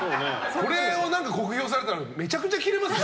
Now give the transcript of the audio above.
これを酷評されたらめちゃくちゃキレますよ